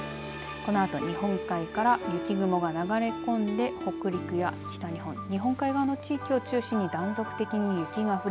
このあと日本海から雪雲が流れ込んで北陸や北日本日本海側の地域を中心に断続的に雪が降り